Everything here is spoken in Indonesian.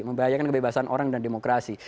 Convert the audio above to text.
membahayakan kebebasan orang dan demokrasi